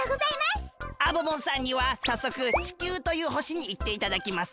アボボンさんにはさっそく地球という星にいっていただきます。